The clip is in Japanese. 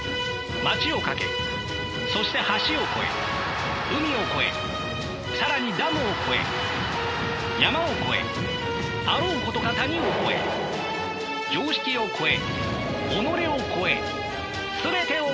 街を駆けそして橋を越え海を越え更にダムを越え山を越えあろうことか谷を越え常識を越え己を越え全てを越えて。